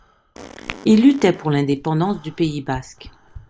Il luttait pour l'indépendance du Pays basque.